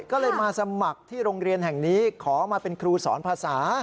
ก็เลยมาสมัครที่โรงเรียนแห่งนี้ขอมาเป็นครูสอนภาษา